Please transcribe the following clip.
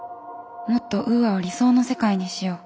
もっとウーアを理想の世界にしよう。